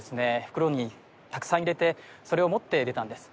袋にたくさん入れてそれを持って出たんです